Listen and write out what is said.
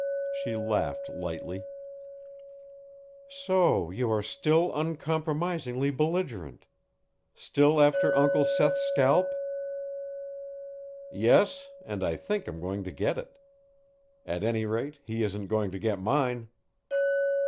She laughed lightly. "So you are still uncompromisingly belligerent still after Uncle Seth's scalp?" "Yes; and I think I'm going to get it. At any rate, he isn't going to get mine."